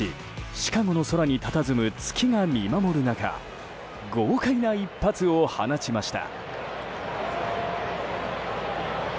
シカゴの空にたたずむ月が見守る中豪快な一発を放ちました。